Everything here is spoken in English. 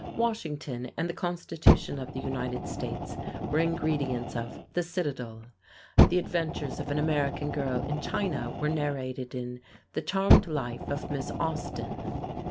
Washington and the Constitution of the United States were ingredients of "The Citadel." The adventures of an American girl in China were narrated in "The Charmed Life of Miss Austen."